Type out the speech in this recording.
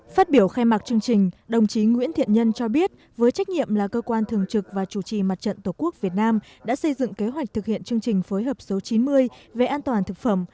phát biểu khai mạc chương trình đồng chí nguyễn thiện nhân cho biết với trách nhiệm là cơ quan thường trực và chủ trì mặt trận tổ quốc việt nam đã xây dựng kế hoạch thực hiện chương trình phối hợp số chín mươi về an toàn thực phẩm